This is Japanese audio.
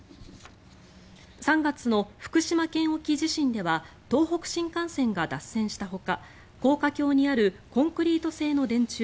３月の福島県沖地震では東北新幹線が脱線したほか高架橋にあるコンクリート製の電柱